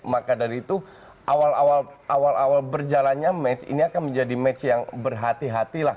maka dari itu awal awal berjalannya match ini akan menjadi match yang berhati hati lah